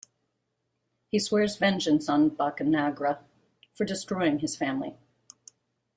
He swears vengeance on Boccanegra for destroying his family.